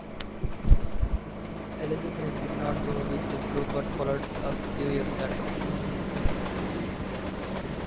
Elijah Craig did not go with this group but followed a few years later.